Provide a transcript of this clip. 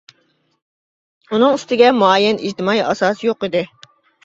ئۇنىڭ ئۈستىگە مۇئەييەن ئىجتىمائىي ئاساسىي يوق ئىدى.